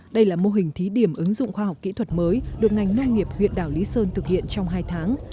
đây là mô hình thí điểm ứng dụng khoa học kỹ thuật mới được ngành nông nghiệp huyện đảo lý sơn thực hiện trong hai tháng